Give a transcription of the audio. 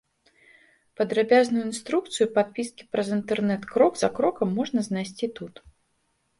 Падрабязную інструкцыю падпіскі праз інтэрнэт крок за крокам можна знайсці тут.